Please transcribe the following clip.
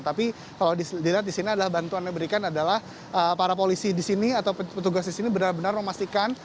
tapi kalau dilihat di sini adalah bantuan yang diberikan adalah para polisi di sini atau petugas di sini benar benar memastikan